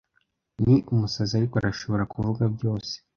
ni umusazi ariko arashobora kuvuga byose